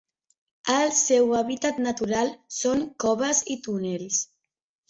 El seu hàbitat natural són coves i túnels.